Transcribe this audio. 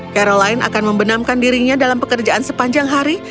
caroline akan membenamkan dirinya dalam pekerjaan sepanjang hari